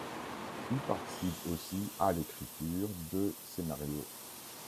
Il participe aussi à l'écriture de scénario.